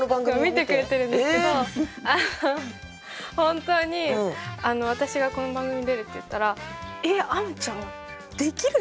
見てくれてるんですけどあの本当に私がこの番組出るって言ったら「えっあむちゃんできるの？」